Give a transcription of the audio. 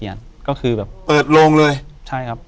อยู่ที่แม่ศรีวิรัยิลครับ